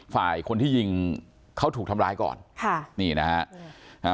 ฝ่ายคนที่ยิงเขาถูกทำร้ายก่อนค่ะนี่นะฮะอ่า